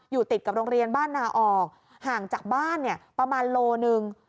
อยู่ติดกับโรงเรียนบ้านนาออกห่างจากบ้านเนี่ยประมาณโลหนึ่ง